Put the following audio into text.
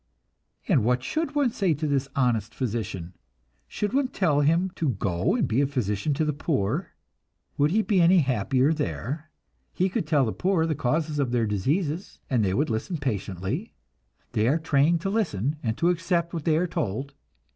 And what should one say to this honest physician? Should one tell him to go and be a physician to the poor? Would he be any happier there? He could tell the poor the causes of their diseases, and they would listen patiently they are trained to listen, and to accept what they are told.